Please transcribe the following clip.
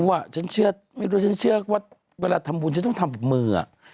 ไม่รู้ว่าไม่รู้ฉันเชื่อว่าเวลาทำบุญฉันต้องทำมือ